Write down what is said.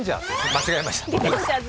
間違えました。